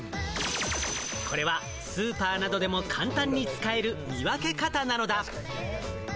これはスーパーなどでも簡単に使える見分け方なのだ。